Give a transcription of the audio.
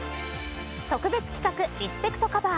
特別企画、リスペクトカバー